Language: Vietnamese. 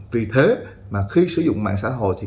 vì thế khi sử dụng mạng xã hội